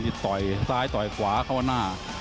นี่ต่อยซ้ายต่อยขวาเข้าหน้า